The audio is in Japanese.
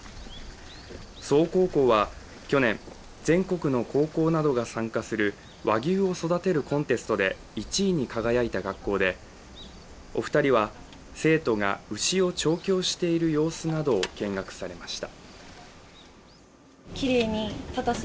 曽於高校は去年全国の高校などが参加する和牛を育てるコンテストで１位に輝いた学校で、お二人は、生徒が牛を調教している様子などを見学されました。